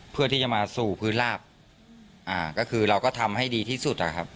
เพื่อที่จะมาสู่พื้นลาบอ่าก็คือเราก็ทำให้ดีที่สุดอะครับ